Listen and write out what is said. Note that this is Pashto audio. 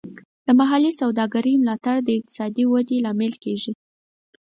د محلي سوداګرۍ ملاتړ د اقتصادي ودې لامل کیږي.